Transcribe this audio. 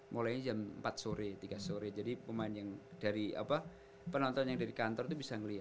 mulainya jam empat sore tiga sore jadi pemain yang dari penonton yang dari kantor itu bisa melihat